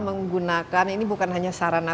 menggunakan ini bukan hanya sarana